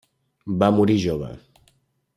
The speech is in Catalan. Va morir jove.